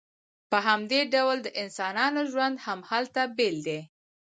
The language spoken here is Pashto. په همدې ډول د انسانانو ژوند هم هلته بیل دی